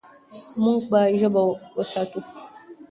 موږ به ژبه وساتو.